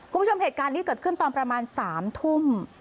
คุณผู้ชมเหตุการณ์นี้เกิดขึ้นตอนประมาณ๓ทุ่ม